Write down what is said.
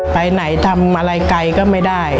ไปไหนทำอะไรไกลก็ไม่ได้